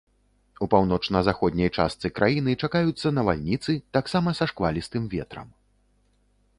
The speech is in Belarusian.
У паўночна-заходняй частцы краіны чакаюцца навальніцы, таксама са шквалістым ветрам.